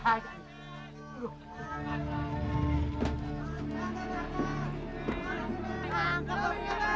layar lari kesepudik diajak